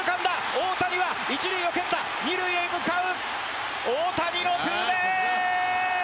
大谷は１塁を蹴った２塁へ向かう大谷のツーベース！